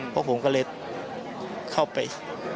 พวกผมก็เลยเข้าไป